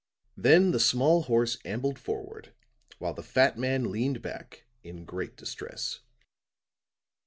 Then the small horse ambled forward while the fat man leaned back in great distress.